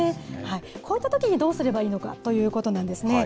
こういったときにどうすればいいのかということですね。